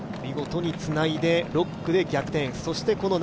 見事につないで６区で逆転